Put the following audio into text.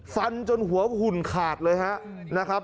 ฟันจนหัวหุ่นขาดเลยนะครับ